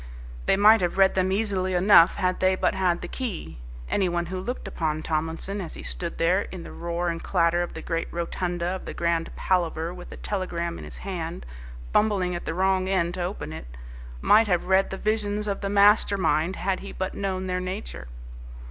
They might have read them easily enough, had they but had the key. Anyone who looked upon Tomlinson as he stood there in the roar and clatter of the great rotunda of the Grand Palaver with the telegram in his hand, fumbling at the wrong end to open it, might have read the visions of the master mind had he but known their nature.